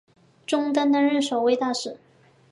陈东担任首位大使。